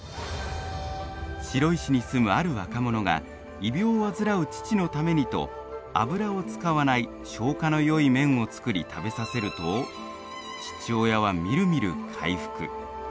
白石に住むある若者が胃病を患う父のためにと油を使わない消化のよい麺を作り食べさせると父親はみるみる回復。